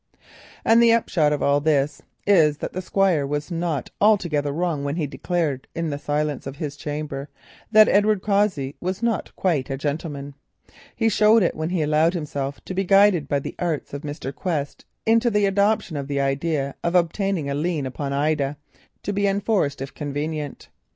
And the upshot of all this is that the Squire was not altogether wrong when he declared in the silence of his chamber that Edward Cossey was not quite a gentleman. He showed it when he allowed himself to be guided by the arts of Mr. Quest into the adoption of the idea of obtaining a lien upon Ida, to be enforced if convenient.